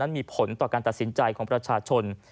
มีผลต่อการตัดสินใจของประชาชน